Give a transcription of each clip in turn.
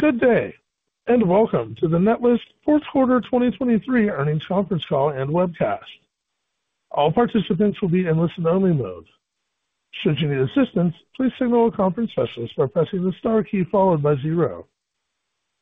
Good day, and welcome to the Netlist fourth quarter 2023 earnings conference call and webcast. All participants will be in listen-only mode. Should you need assistance, please signal a conference specialist by pressing the star key followed by zero.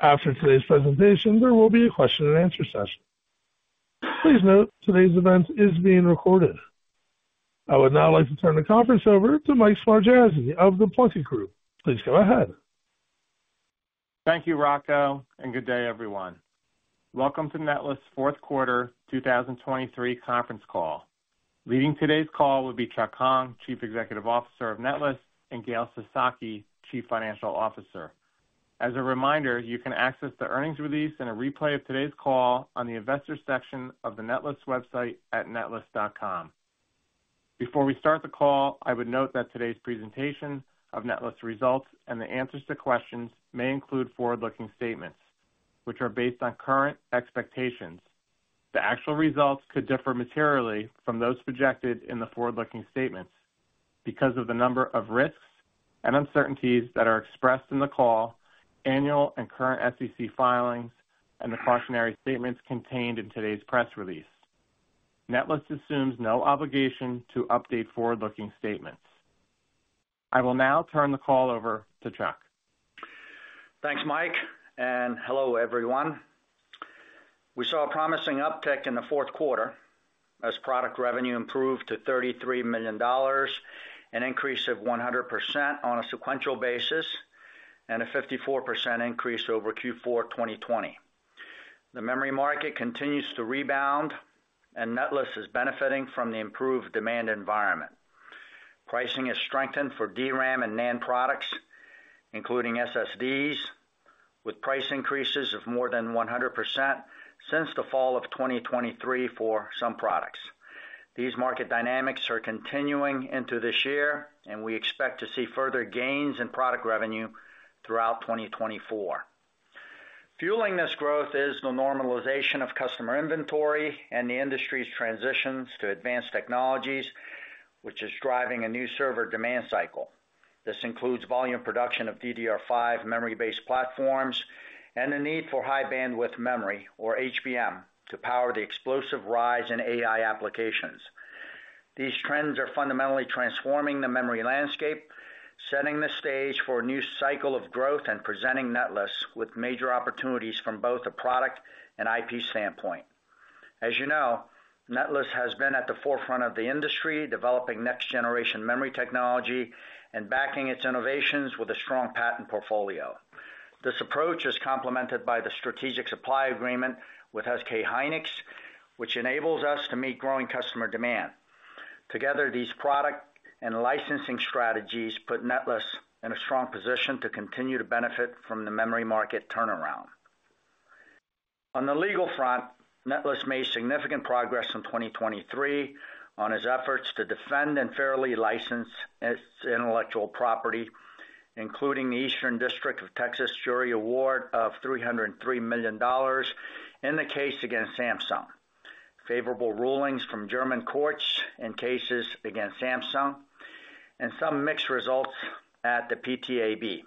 After today's presentation, there will be a question-and-answer session. Please note, today's event is being recorded. I would now like to turn the conference over to Mike Smargiassi of the Plunkett Group. Please go ahead. Thank you, Rocco, and good day, everyone. Welcome to Netlist fourth quarter 2023 conference call. Leading today's call will be Chuck Hong, Chief Executive Officer of Netlist, and Gail Sasaki, Chief Financial Officer. As a reminder, you can access the earnings release and a replay of today's call on the Investors section of the Netlist website at netlist.com. Before we start the call, I would note that today's presentation of Netlist results and the answers to questions may include forward-looking statements, which are based on current expectations. The actual results could differ materially from those projected in the forward-looking statements. Because of the number of risks and uncertainties that are expressed in the call, annual and current SEC filings, and the cautionary statements contained in today's press release, Netlist assumes no obligation to update forward-looking statements. I will now turn the call over to Chuck. Thanks, Mike, and hello, everyone. We saw a promising uptick in the fourth quarter as product revenue improved to $33 million, an increase of 100% on a sequential basis, and a 54% increase over Q4 2020. The memory market continues to rebound, and Netlist is benefiting from the improved demand environment. Pricing has strengthened for DRAM and NAND products, including SSDs, with price increases of more than 100% since the fall of 2023 for some products. These market dynamics are continuing into this year, and we expect to see further gains in product revenue throughout 2024. Fueling this growth is the normalization of customer inventory and the industry's transitions to advanced technologies, which is driving a new server demand cycle. This includes volume production of DDR5 memory-based platforms and the need for High Bandwidth Memory, or HBM, to power the explosive rise in AI applications. These trends are fundamentally transforming the memory landscape, setting the stage for a new cycle of growth and presenting Netlist with major opportunities from both a product and IP standpoint. As you know, Netlist has been at the forefront of the industry, developing next-generation memory technology and backing its innovations with a strong patent portfolio. This approach is complemented by the strategic supply agreement with SK Hynix, which enables us to meet growing customer demand. Together, these product and licensing strategies put Netlist in a strong position to continue to benefit from the memory market turnaround. On the legal front, Netlist made significant progress in 2023 on its efforts to defend and fairly license its intellectual property, including the Eastern District of Texas jury award of $303 million in the case against Samsung, favorable rulings from German courts in cases against Samsung, and some mixed results at the PTAB.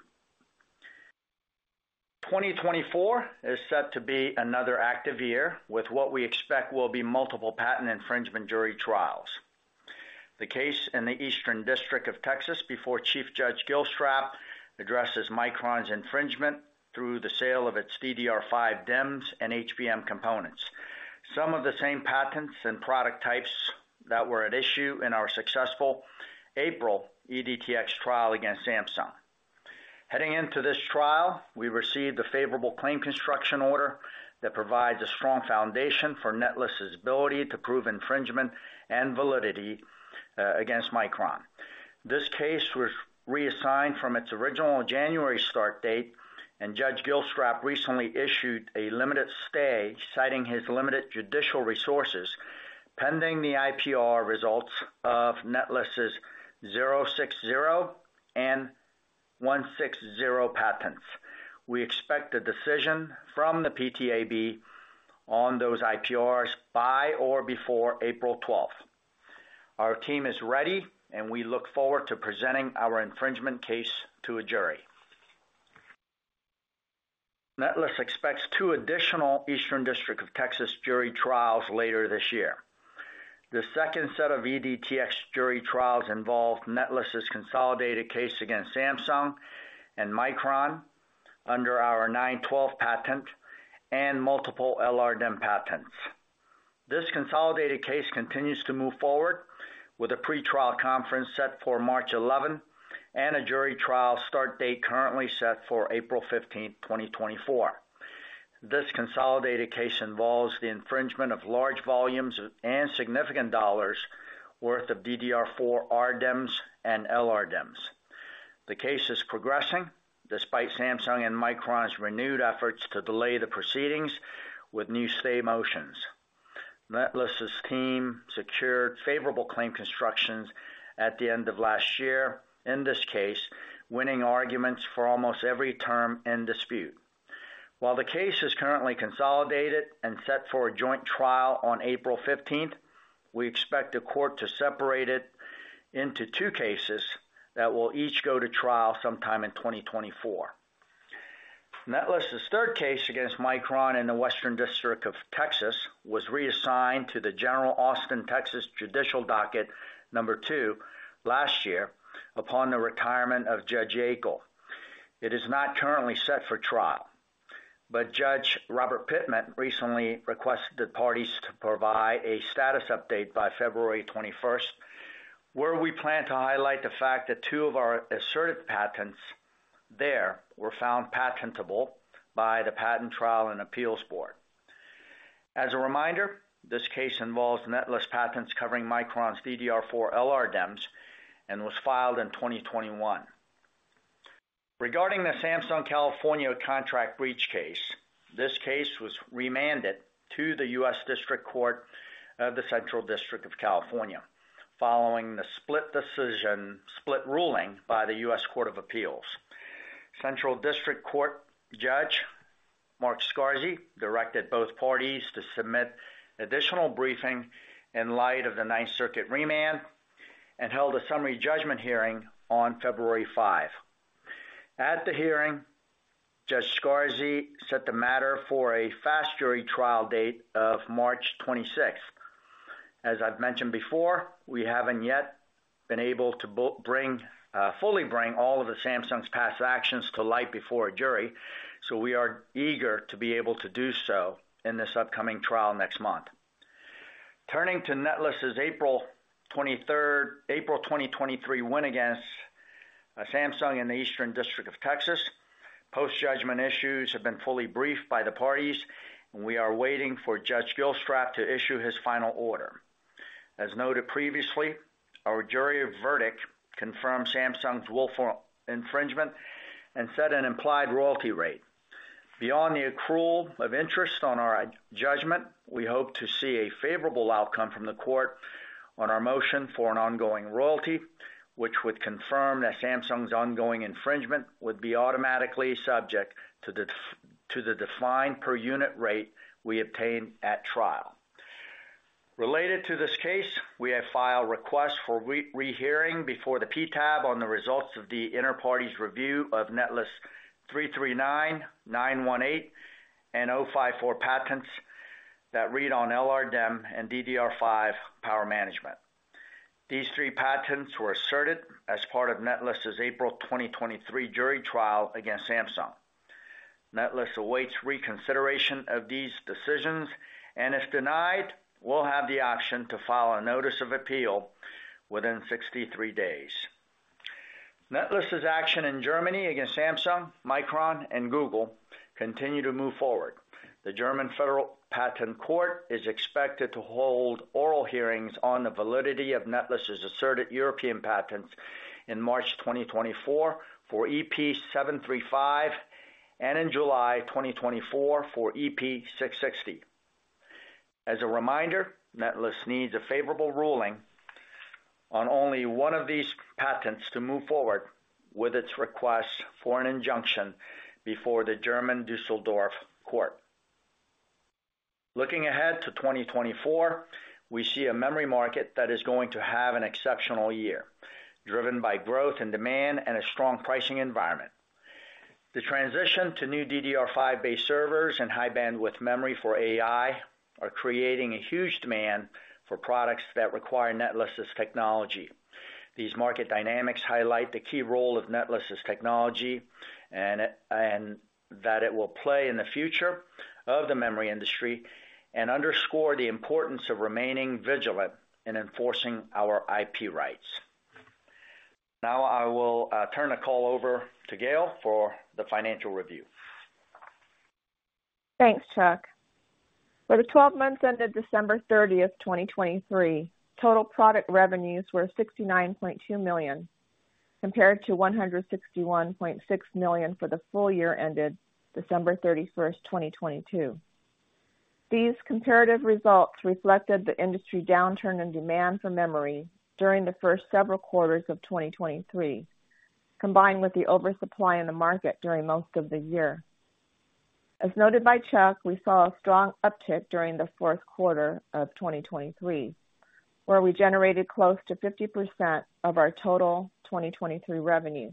2024 is set to be another active year with what we expect will be multiple patent infringement jury trials. The case in the Eastern District of Texas before Chief Judge Gilstrap addresses Micron's infringement through the sale of its DDR5 DIMMs and HBM components, some of the same patents and product types that were at issue in our successful April EDTX trial against Samsung. Heading into this trial, we received a favorable claim construction order that provides a strong foundation for Netlist's ability to prove infringement and validity against Micron. This case was reassigned from its original January start date, and Judge Gilstrap recently issued a limited stay citing his limited judicial resources pending the IPR results of Netlist's 060 and 160 patents. We expect a decision from the PTAB on those IPRs by or before April 12th. Our team is ready, and we look forward to presenting our infringement case to a jury. Netlist expects two additional Eastern District of Texas jury trials later this year. The second set of EDTX jury trials involved Netlist's consolidated case against Samsung and Micron under our 912 patent and multiple LRDIMM patents. This consolidated case continues to move forward with a pretrial conference set for March 11th and a jury trial start date currently set for April 15th, 2024. This consolidated case involves the infringement of large volumes and significant dollars' worth of DDR4 RDIMMs and LRDIMMs. The case is progressing despite Samsung and Micron's renewed efforts to delay the proceedings with new stay motions. Netlist's team secured favorable claim constructions at the end of last year in this case, winning arguments for almost every term in dispute. While the case is currently consolidated and set for a joint trial on April 15th, we expect the court to separate it into two cases that will each go to trial sometime in 2024. Netlist's third case against Micron in the Western District of Texas was reassigned to the Austin, Texas Judicial Docket #2 last year upon the retirement of Judge Albright. It is not currently set for trial. But Judge Robert Pitman recently requested the parties to provide a status update by February 21st, where we plan to highlight the fact that two of our asserted patents there were found patentable by the Patent Trial and Appeal Board. As a reminder, this case involves Netlist patents covering Micron's DDR4 LRDIMMs and was filed in 2021. Regarding the Samsung California contract breach case, this case was remanded to the U.S. District Court of the Central District of California following the split decision, split ruling by the U.S. Court of Appeals. Central District Court Judge Mark Scarsi directed both parties to submit additional briefing in light of the Ninth Circuit remand and held a summary judgment hearing on February 5th. At the hearing, Judge Scarsi set the matter for a fast jury trial date of March 26th. As I've mentioned before, we haven't yet been able to fully bring all of Samsung's past actions to light before a jury, so we are eager to be able to do so in this upcoming trial next month. Turning to Netlist's April 23rd, April 2023 win against Samsung in the Eastern District of Texas, post-judgment issues have been fully briefed by the parties, and we are waiting for Judge Gilstrap to issue his final order. As noted previously, our jury verdict confirmed Samsung's willful infringement and set an implied royalty rate. Beyond the accrual of interest on our judgment, we hope to see a favorable outcome from the court on our motion for an ongoing royalty, which would confirm that Samsung's ongoing infringement would be automatically subject to the defined per unit rate we obtain at trial. Related to this case, we have filed requests for rehearing before the PTAB on the results of the inter partes review of Netlist's 339, 918, and 054 patents that read on LRDIMM and DDR5 power management. These three patents were asserted as part of Netlist's April 2023 jury trial against Samsung. Netlist awaits reconsideration of these decisions, and if denied, will have the option to file a notice of appeal within 63 days. Netlist's action in Germany against Samsung, Micron, and Google continue to move forward. The German Federal Patent Court is expected to hold oral hearings on the validity of Netlist's asserted European patents in March 2024 for EP 735 and in July 2024 for EP 660. As a reminder, Netlist needs a favorable ruling on only one of these patents to move forward with its request for an injunction before the German Düsseldorf Court. Looking ahead to 2024, we see a memory market that is going to have an exceptional year, driven by growth and demand and a strong pricing environment. The transition to new DDR5-based servers and High Bandwidth Memory for AI are creating a huge demand for products that require Netlist's technology. These market dynamics highlight the key role of Netlist's technology and that it will play in the future of the memory industry and underscore the importance of remaining vigilant in enforcing our IP rights. Now, I will turn the call over to Gail for the financial review. Thanks, Chuck. For the 12 months ended December 30th, 2023, total product revenues were $69.2 million compared to $161.6 million for the full year ended December 31st, 2022. These comparative results reflected the industry downturn in demand for memory during the first several quarters of 2023, combined with the oversupply in the market during most of the year. As noted by Chuck, we saw a strong uptick during the fourth quarter of 2023, where we generated close to 50% of our total 2023 revenue,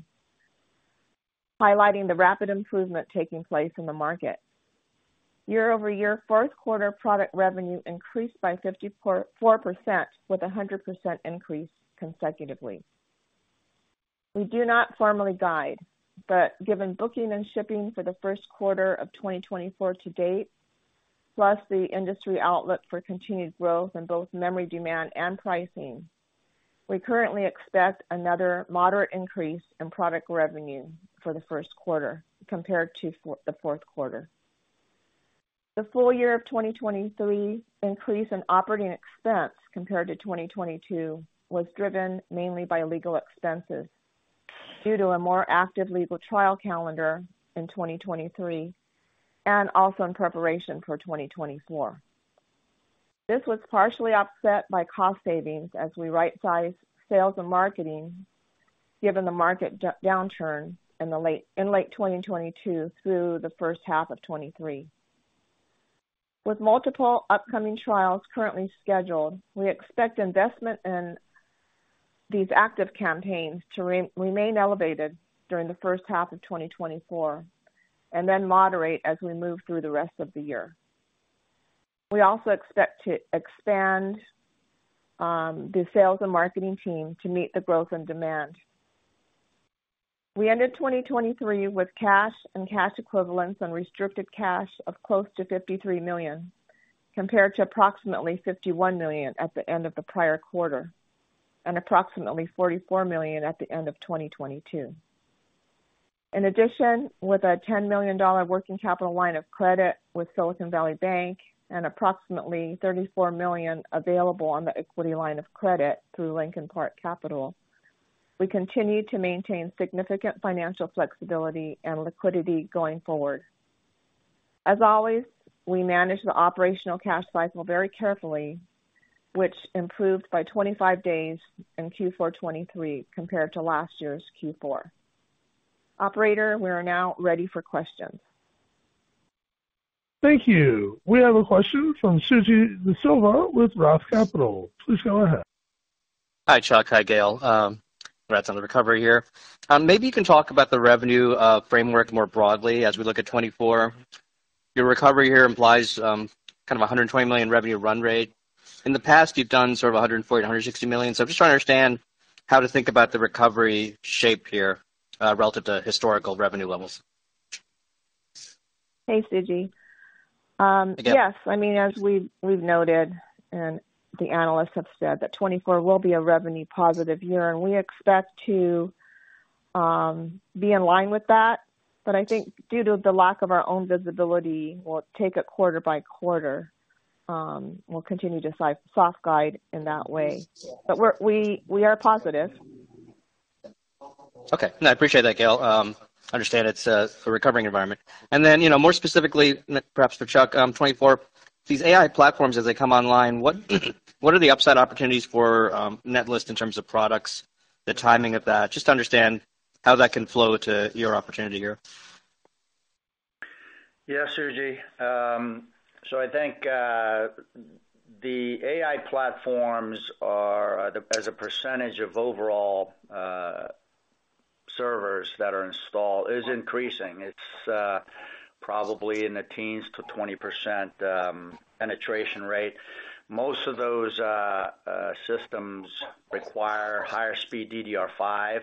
highlighting the rapid improvement taking place in the market. Year-over-year, fourth quarter product revenue increased by 54% with a 100% increase consecutively. We do not formally guide, but given booking and shipping for the first quarter of 2024 to date, plus the industry outlook for continued growth in both memory demand and pricing, we currently expect another moderate increase in product revenue for the first quarter compared to the fourth quarter. The full year of 2023 increase in operating expense compared to 2022 was driven mainly by legal expenses due to a more active legal trial calendar in 2023 and also in preparation for 2024. This was partially offset by cost savings as we right-sized sales and marketing given the market downturn in late 2022 through the first half of 2023. With multiple upcoming trials currently scheduled, we expect investment in these active campaigns to remain elevated during the first half of 2024 and then moderate as we move through the rest of the year. We also expect to expand the sales and marketing team to meet the growth and demand. We ended 2023 with cash and cash equivalents and restricted cash of close to $53 million compared to approximately $51 million at the end of the prior quarter and approximately $44 million at the end of 2022. In addition, with a $10 million working capital line of credit with Silicon Valley Bank and approximately $34 million available on the equity line of credit through Lincoln Park Capital, we continue to maintain significant financial flexibility and liquidity going forward. As always, we manage the operational cash cycle very carefully, which improved by 25 days in Q4 2023 compared to last year's Q4. Operator, we are now ready for questions. Thank you. We have a question from Suji Desilva with Roth Capital. Please go ahead. Hi, Chuck. Hi, Gail. Congrats on the recovery here. Maybe you can talk about the revenue framework more broadly as we look at 2024. Your recovery here implies kind of a $120 million revenue run rate. In the past, you've done sort of $140 million, $160 million. So I'm just trying to understand how to think about the recovery shape here relative to historical revenue levels. Hey, Suji. Again? Yes. I mean, as we've noted and the analysts have said, that 2024 will be a revenue-positive year, and we expect to be in line with that. But I think due to the lack of our own visibility, we'll take it quarter by quarter. We'll continue to soft-guide in that way. But we are positive. Okay. No, I appreciate that, Gail. I understand it's a recovering environment. And then more specifically, perhaps for Chuck, 2024, these AI platforms, as they come online, what are the upside opportunities for Netlist in terms of products, the timing of that, just to understand how that can flow to your opportunity here? Yeah, Suji. So I think the AI platforms, as a percentage of overall servers that are installed, is increasing. It's probably in the teens to 20% penetration rate. Most of those systems require higher-speed DDR5.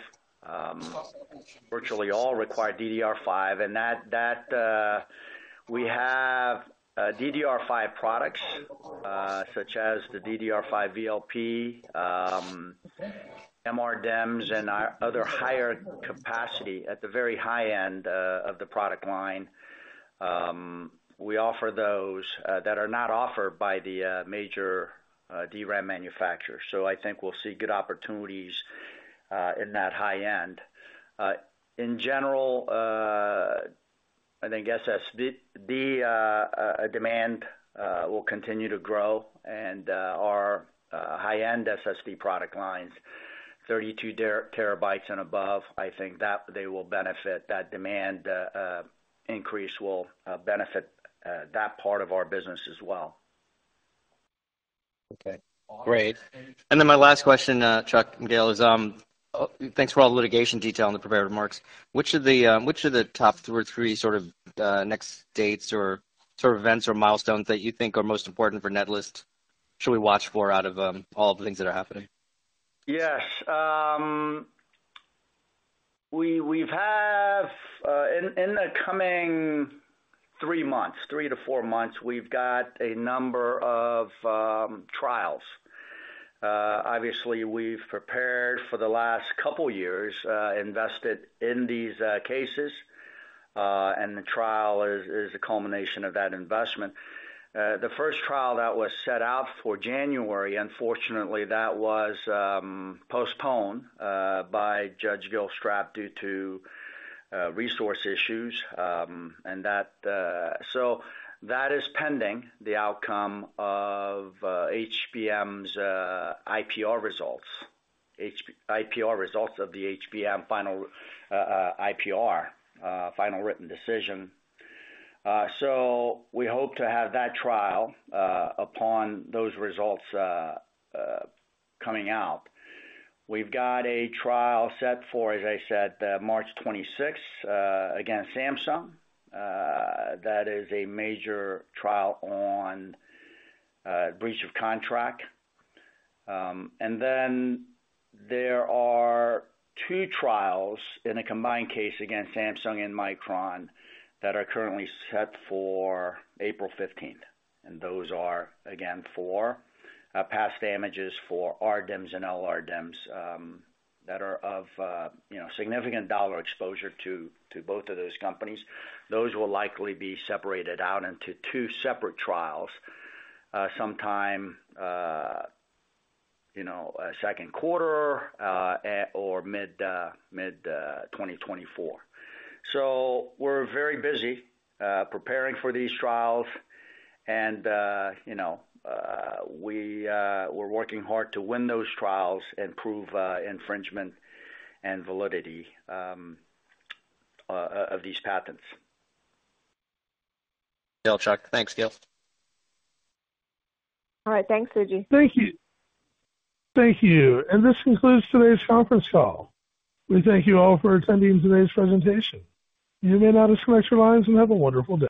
Virtually all require DDR5. And we have DDR5 products such as the DDR5 VLP MRDIMMs, and other higher capacity at the very high end of the product line. We offer those that are not offered by the major DRAM manufacturers. So I think we'll see good opportunities in that high end. In general, I think SSD demand will continue to grow. And our high-end SSD product lines, 32 TB and above, I think that they will benefit. That demand increase will benefit that part of our business as well. Okay. Great. And then my last question, Chuck and Gail, is thanks for all the litigation detail and the prepared remarks. Which are the top three sort of next dates or sort of events or milestones that you think are most important for Netlist should we watch for out of all of the things that are happening? Yes. We've had in the coming three months, three to four months, we've got a number of trials. Obviously, we've prepared for the last couple of years, invested in these cases, and the trial is a culmination of that investment. The first trial that was set out for January, unfortunately, that was postponed by Judge Gilstrap due to resource issues. And that so that is pending, the outcome of HBM's IPR results, IPR results of the HBM final IPR, final written decision. So we hope to have that trial upon those results coming out. We've got a trial set for, as I said, March 26th against Samsung. That is a major trial on breach of contract. And then there are two trials in a combined case against Samsung and Micron that are currently set for April 15th. Those are, again, for past damages for RDIMMs and LRDIMMs that are of significant dollar exposure to both of those companies. Those will likely be separated out into two separate trials sometime second quarter or mid 2024. We're very busy preparing for these trials, and we're working hard to win those trials and prove infringement and validity of these patents. Gail, Chuck, thanks, Gail. All right. Thanks, Suji. Thank you. Thank you. This concludes today's conference call. We thank you all for attending today's presentation. You may now disconnect your lines and have a wonderful day.